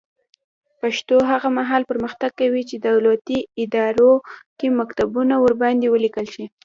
پښتو هغه مهال پرمختګ کوي چې دولتي ادارو کې مکتوبونه ورباندې ولیکل شي.